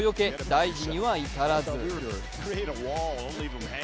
大事には至らず。